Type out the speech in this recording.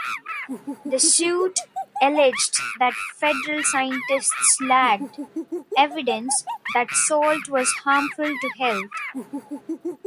The suit alleged that federal scientists lacked evidence that salt was harmful to health.